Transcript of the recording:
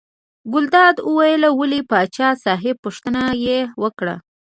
ګلداد وویل ولې پاچا صاحب پوښتنه یې وکړه.